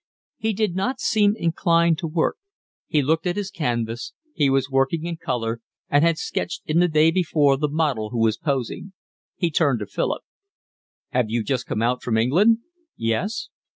He did not seem inclined to work. He looked at his canvas; he was working in colour, and had sketched in the day before the model who was posing. He turned to Philip. "Have you just come out from England?" "Yes."